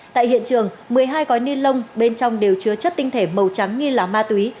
tại hiện trường một mươi hai gói ni lông bên trong đều chứa chất tinh thể màu trắng nghi là ma túy